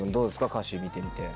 歌詞見てみて。